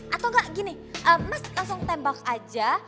atau enggak gini mas langsung tembak aja